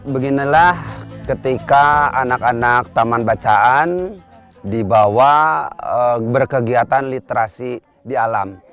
beginilah ketika anak anak taman bacaan dibawa berkegiatan literasi di alam